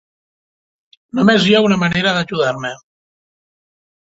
Només hi ha una manera d'ajudar-me.